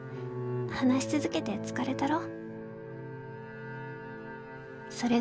話し続けて疲れたろ」。